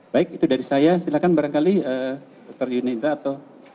baik itu dari saya silakan barangkali dr junita indarto